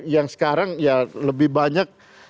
yang sekarang lebih banyak